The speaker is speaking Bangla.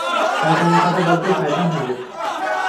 শয়তানের কথা বলতেই শয়তান হাজির!